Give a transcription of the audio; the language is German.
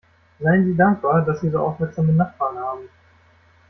Seien Sie dankbar, dass Sie so aufmerksame Nachbarn haben!